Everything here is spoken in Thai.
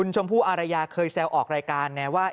ชมพู่อารยาเคยแซวออกรายการไงว่า